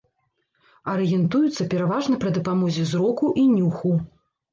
Арыентуюцца пераважна пры дапамозе зроку і нюху.